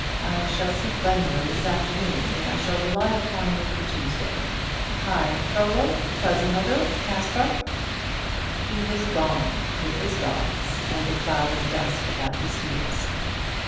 I shall see Gwendoline this afternoon; and I shall rely upon you for Tuesday. Hi, Frollo, Quasimodo, Caspar!" He was gone, with his dogs and a cloud of dust about his heels.